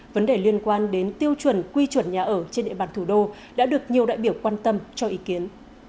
vấn đề liên quan đến tiêu chuẩn quy chuẩn nhà ở trên địa bàn thủ đô đã được nhiều đại biểu quan tâm cho ý kiến